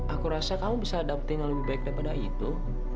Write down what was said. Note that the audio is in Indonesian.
aku rasa kamu bisa adapting lebih baik daripada itu